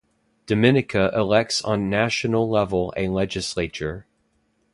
Dominica elects on national level a legislature.